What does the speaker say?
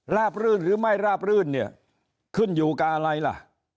รื่นหรือไม่ราบรื่นเนี่ยขึ้นอยู่กับอะไรล่ะ